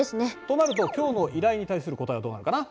となると今日の依頼に対する答えはどうなるかな？